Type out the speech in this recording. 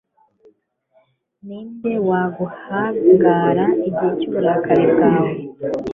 ni nde waguhangara igihe cy'uburakari bwawe